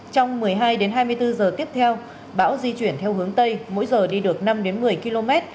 trong một mươi hai đến hai mươi bốn giờ tiếp theo bão di chuyển theo hướng tây mỗi giờ đi được năm đến một mươi km